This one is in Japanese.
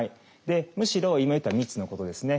むしろ今言った３つのことですね。